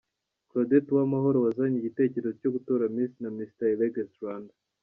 Claudette Uwamahoro wazanye igitekerezo cyo gutora Miss na Mister Elegance Rwanda.